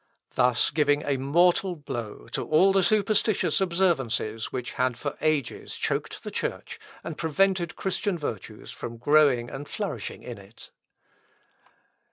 Thus giving a mortal blow to all the superstitious observances, which had for ages choked the Church, and prevented Christian virtues from growing and flourishing in it.